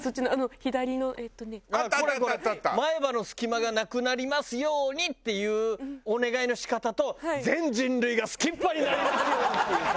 「前歯の隙間がなくなりますように」っていうお願いの仕方と「全人類がすきっ歯になりますように」っていうさ。